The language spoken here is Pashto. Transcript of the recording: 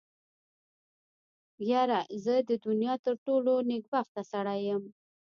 يره زه د دونيا تر ټولو نېکبخته سړی يم.